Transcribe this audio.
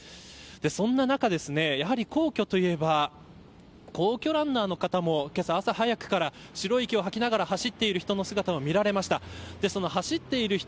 そんな中ですねやはり、皇居といえば皇居ランナーの方もけさ早くから白い息を吐きながら走っている人の姿も見られました。